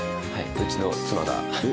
うちの妻が。